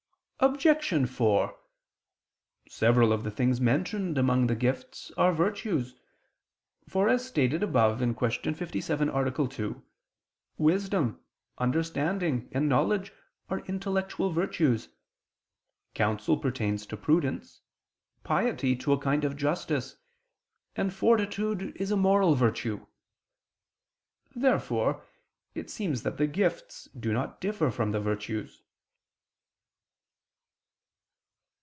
Obj. 4: Several of the things mentioned among the gifts, are virtues: for, as stated above (Q. 57, A. 2), wisdom, understanding, and knowledge are intellectual virtues, counsel pertains to prudence, piety to a kind of justice, and fortitude is a moral virtue. Therefore it seems that the gifts do not differ from the virtues.